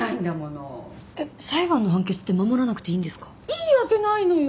いいわけないのよ！